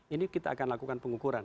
ini kita akan lakukan pengukuran